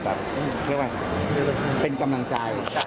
แบบเป็นกำลังใจ